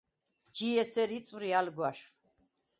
ჯი ესერ იწვრი ალ გვაშვ.